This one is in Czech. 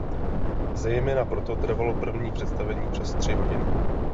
Zejména proto trvalo první představení přes tři hodiny.